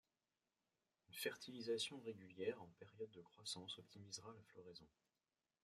Une fertilisation régulière en période de croissance optimisera la floraison.